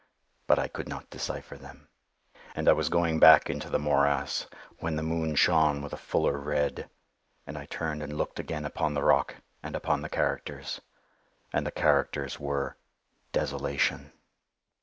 But I could not decypher them. And I was going back into the morass, when the moon shone with a fuller red, and I turned and looked again upon the rock, and upon the characters, and the characters were DESOLATION.